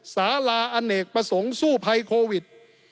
สาราอเนกประสงค์สู้ภัยโควิด